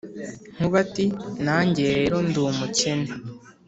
Nkuba ati « nanjye rero ndi umukene,